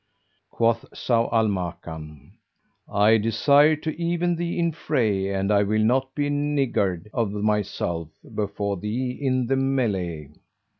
Quoth Zau al Makan, "I desire to even thee in fray and I will not be niggard of myself before thee in the melay."